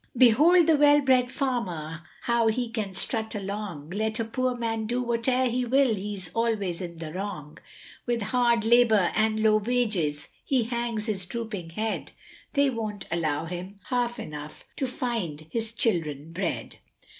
Behold the well bred farmer, how he can strut along, Let a poor man do whatever he will he's always in the wrong, With hard labour and low wages he hangs his drooping head, They won't allow him half enough to find his children bread.